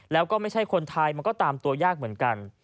แล้วก็ไม่ใช่คนไทยมันก็ตามตัวยากเหมือนกัน